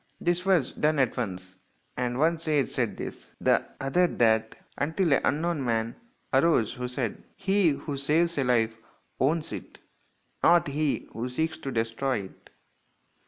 This was done at once, and one sage said this, the other that, until an unknown man arose who said, " He who saves a life owns it, not he who seeks to destroy it.